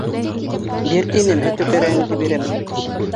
— Бир тинем, әтеү кәрәгеңде бирәм!